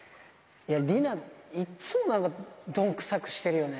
いや、リナ、いっつもどんくさくしてるよね。